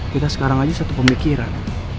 kita sekarang aja satu pemikiran